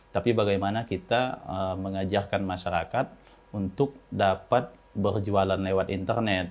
tapi bagaimana kita mengajarkan masyarakat untuk dapat berjualan lewat internet